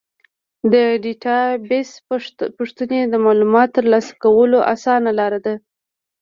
د ډیټابیس پوښتنې د معلوماتو ترلاسه کولو اسانه لاره ده.